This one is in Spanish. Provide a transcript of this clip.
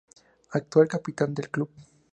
Actual capitán del club.